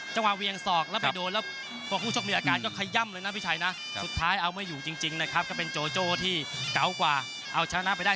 จังหวะเวียงศอกแล้วไปโดนแล้วพอคู่ชกมีอาการก็ขย่ำเลยนะพี่ชัยนะสุดท้ายเอาไม่อยู่จริงนะครับก็เป็นโจโจ้ที่เก๋ากว่าเอาชนะไปได้